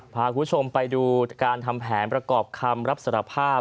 พาคุณผู้ชมไปดูการทำแผนประกอบคำรับสารภาพ